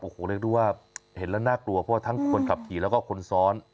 โอ้โหเรียกได้ว่าเห็นแล้วน่ากลัวเพราะว่าทั้งคนขับขี่แล้วก็คนซ้อน